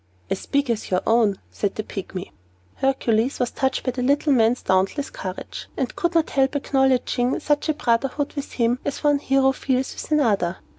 "As big as your own!" said the Pygmy. Hercules was touched with the little man's dauntless courage, and could not help acknowledging such a brotherhood with him as one hero feels for another.